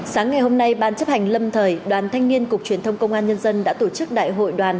sáng ngày hôm nay ban chấp hành lâm thời đoàn thanh niên cục truyền thông công an nhân dân